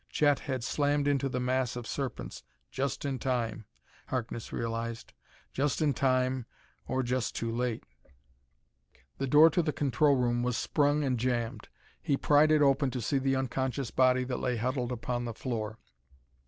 Chet had slammed into the mass of serpents just in time, Harkness realized. Just in time, or just too late.... The door to the control room was sprung and jammed. He pried it open to see the unconscious body that lay huddled upon the floor.